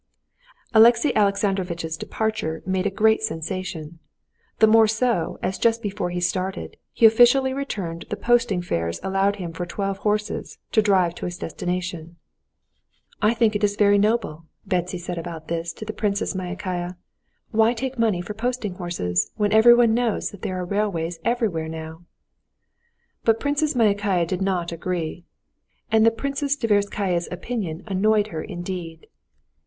Alexey Alexandrovitch's departure made a great sensation, the more so as just before he started he officially returned the posting fares allowed him for twelve horses, to drive to his destination. "I think it very noble," Betsy said about this to the Princess Myakaya. "Why take money for posting horses when everyone knows that there are railways everywhere now?" But Princess Myakaya did not agree, and the Princess Tverskaya's opinion annoyed her indeed.